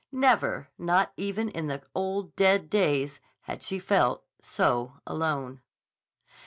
Never, not even in the old, dead days, had she felt so alone.